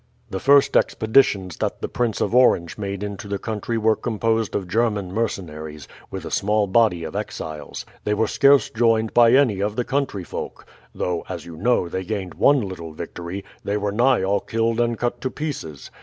"The first expeditions that the Prince of Orange made into the country were composed of German mercenaries, with a small body of exiles. They were scarce joined by any of the country folk. Though, as you know, they gained one little victory, they were nigh all killed and cut to pieces.